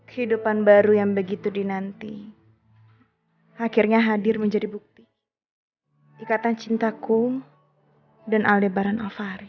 kehidupan baru yang begitu dinanti akhirnya hadir menjadi bukti ikatan cintaku dan aldebaran avari